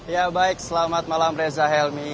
ya baik selamat malam reza helmi